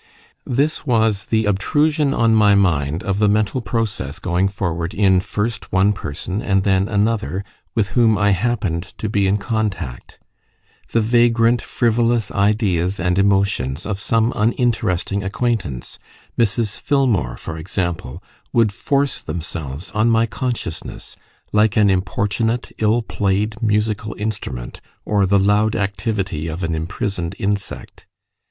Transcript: This was the obtrusion on my mind of the mental process going forward in first one person, and then another, with whom I happened to be in contact: the vagrant, frivolous ideas and emotions of some uninteresting acquaintance Mrs. Filmore, for example would force themselves on my consciousness like an importunate, ill played musical instrument, or the loud activity of an imprisoned insect.